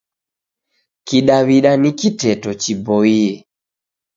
Kidaw'ida ni kiteto chiboie.